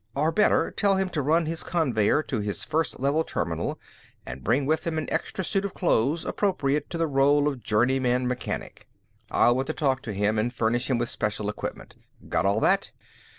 Or, better, tell him to run his conveyer to his First Level terminal, and bring with him an extra suit of clothes appropriate to the role of journeyman mechanic. I'll want to talk to him, and furnish him with special equipment. Got all that?